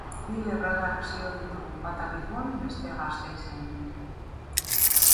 Bi erredakzio ditu, bata Bilbon, bestea Gasteizen.